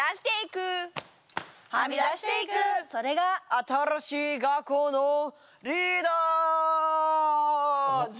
新しい学校のリーダーズ。